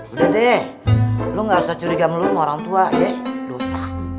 udah deh lo gak usah curiga melulu sama orang tua ya dosa